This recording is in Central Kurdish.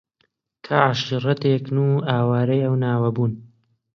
کە عەشیرەتێکن و ئاوارەی ئەو ناوە بوون